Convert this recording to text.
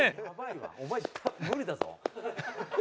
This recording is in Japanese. お前無理だぞ。